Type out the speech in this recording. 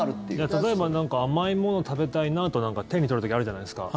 例えばなんか甘いもの食べたいなって手に取る時あるじゃないですか。